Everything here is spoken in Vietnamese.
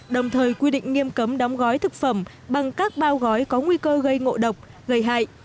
đồng thời quy định nghiêm cấm đóng gói thực phẩm bằng các bao gói có nguy cơ gây ngộ độc gây hại